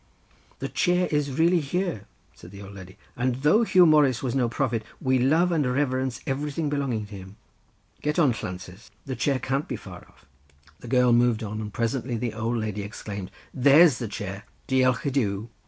"The chair is really here," said the old lady, "and though Huw Morus was no prophet, we love and reverence everything belonging to him. Get on, Llances, the chair can't be far off;" the girl moved on, and presently the old lady exclaimed "There's the chair, Diolch i Duw!"